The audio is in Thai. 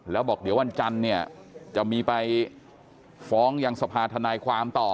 แล้วบอกเดี๋ยววันจันทร์เนี่ยจะมีไปฟ้องยังสภาธนายความต่อ